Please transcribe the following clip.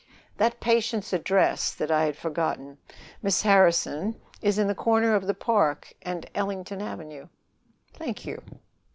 "That patient's address that I had forgotten, Miss Harrison, is the corner of the Park and Ellington Avenue." "Thank you."